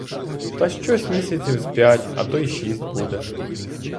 Та щось місяців з п'ять, а то й шість буде.